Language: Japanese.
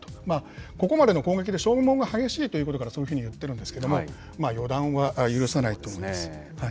ここまでの攻撃で消耗が激しいということから、そういうふうに言っているんですけれども、予断は許さないと思います。